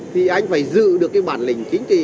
thì anh phải giữ được bản lĩnh chính trị